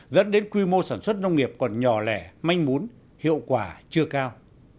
dẫn đến quy mô sản xuất nông nghiệp còn nhỏ lẻ manh mún hiệu quả chưa cao